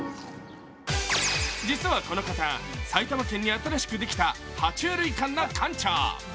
実はこの方、埼玉県に新しくできた爬虫類館の館長。